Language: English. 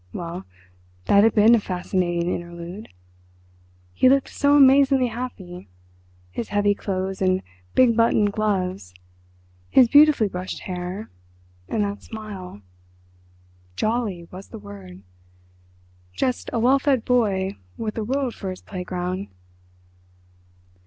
Well, that had been a fascinating interlude! He looked so amazingly happy: his heavy clothes and big buttoned gloves; his beautifully brushed hair... and that smile.... "Jolly" was the word—just a well fed boy with the world for his playground.